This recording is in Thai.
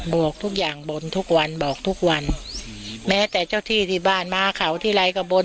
วกทุกอย่างบนทุกวันบอกทุกวันแม้แต่เจ้าที่ที่บ้านมาเขาทีไรก็บน